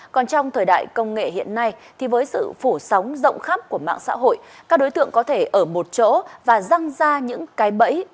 còn trong thời đại công nghệ hiện nay thì với sự phủ sóng rộng khắp của mạng xã hội các đối tượng có thể ở một chỗ và răng ra những cái bẫy